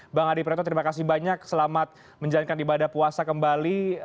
bang adi prato terima kasih banyak selamat menjalankan ibadah puasa kembali